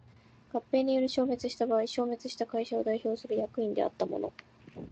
合併により消滅した場合消滅した会社を代表する役員であった者